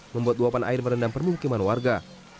membuat luapan air merendam permukiman warga